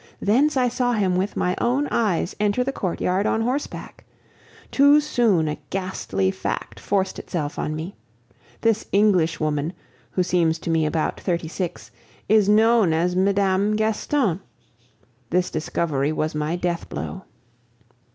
Thence I saw him with my own eyes enter the courtyard on horseback. Too soon a ghastly fact forced itself on me. This Englishwoman, who seems to me about thirty six, is known as Mme. Gaston. This discovery was my deathblow.